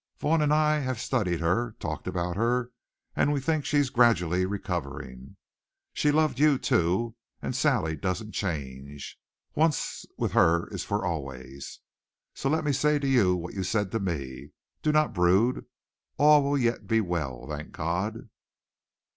Vaughn and I have studied her, talked about her, and we think she's gradually recovering. She loved you, too; and Sally doesn't change. Once with her is for always. So let me say to you what you said to me do not brood. All will yet be well, thank God!"